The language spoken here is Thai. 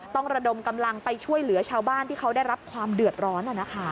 ระดมกำลังไปช่วยเหลือชาวบ้านที่เขาได้รับความเดือดร้อน